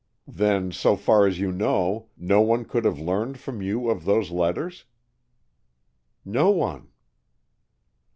"Then, so far as you know, no one could have learned from you of those letters?" "No one."